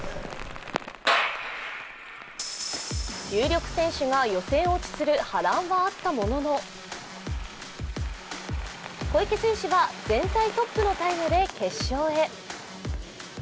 有力者が予選落ちする波乱はあったものの小池選手は全体トップのタイムで決勝へ。